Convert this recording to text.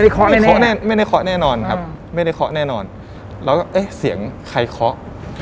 เคาะในเคาะแน่ไม่ได้เคาะแน่นอนครับไม่ได้เคาะแน่นอนแล้วก็เอ๊ะเสียงใครเคาะ